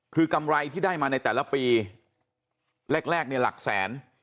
คือกำไรที่ได้มาในแต่ละปีแรกเนี่ยหลักแสน